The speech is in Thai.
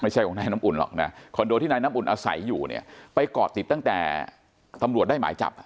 ไม่ใช่ของนายน้ำอุ่นหรอกนะคอนโดที่นายน้ำอุ่นอาศัยอยู่เนี่ยไปเกาะติดตั้งแต่ตำรวจได้หมายจับ